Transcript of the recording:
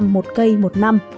một cây một năm